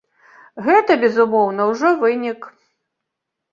Гэта, безумоўна, ужо вынік.